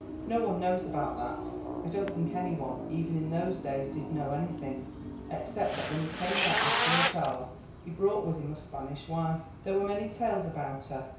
No one knows about that. I don't think any one, even in those days, did know anything, except that when he came back with King Charles he brought with him a Spanish wife. There were many tales about her.